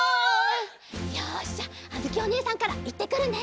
よしじゃああづきおねえさんからいってくるね！